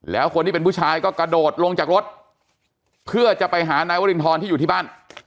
แล้วคนที่เป็นผู้ชายก็กระโดดลงจากรถเพื่อจะไปหานายวรินทรที่อยู่ที่บ้าน